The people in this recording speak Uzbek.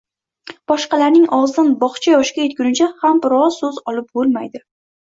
boshqalarining og‘zidan bog‘cha yoshiga yetgunigacha ham bir so‘z olib bo‘lmaydi.